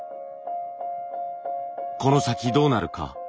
この先どうなるか。